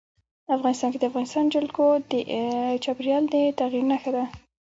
افغانستان کې د افغانستان جلکو د چاپېریال د تغیر نښه ده.